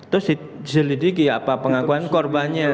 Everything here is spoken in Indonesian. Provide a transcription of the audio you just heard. terus diselidiki apa pengakuan korbannya